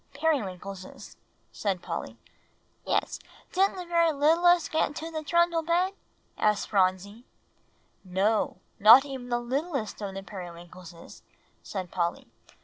"Periwinkleses," said Polly. "Yes, didn't the very littlest get into the trundle bed?" asked Phronsie. "No, not even the littlest of the Periwinkleses," said Polly.